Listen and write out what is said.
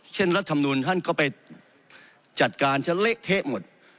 เช่นรัฐธรรมนุนท่านก็ไปจัดการจะเละเทะหมด